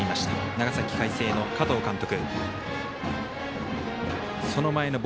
長崎・海星の加藤監督。